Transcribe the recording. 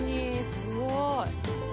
すごい。